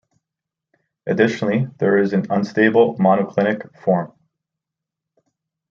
Additionally there is an unstable monoclinic form.